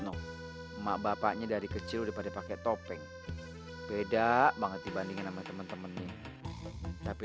noh emak bapaknya dari kecil pada pakai topeng beda banget dibandingin sama temen temen nih tapi